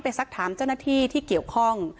สักถามเจ้าหน้าที่ที่เกี่ยวข้อง